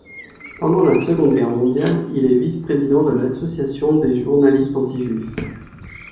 Pendant la Seconde Guerre mondiale, il est vice-président de l'Association des journalistes anti-juifs.